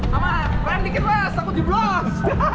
sama perah dikit mas takut jublos